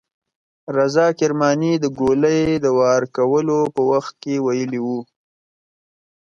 رضا کرماني د ګولۍ د وار کولو په وخت کې ویلي وو.